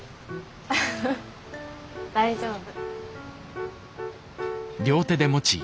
フフ大丈夫。